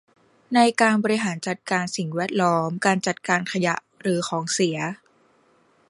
ในการบริหารจัดการสิ่งแวดล้อมการจัดการขยะหรือของเสีย